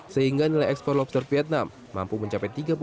sehingga nilai ekspor lobster vietnam mampu mencapai rp tiga puluh per tahun